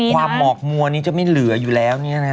หมอกมัวนี้จะไม่เหลืออยู่แล้วเนี่ยนะ